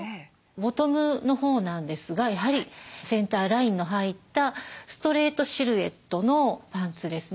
ボトムのほうなんですがやはりセンターラインの入ったストレートシルエットのパンツですね。